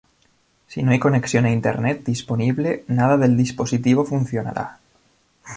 Si no hay conexión a Internet disponible, nada del dispositivo funcionará.